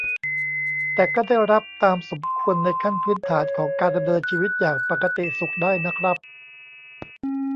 แต่ก็ได้รับตามสมควรในขั้นพื้นฐานของการดำเนินชีวิตอย่างปกติสุขได้นะครับ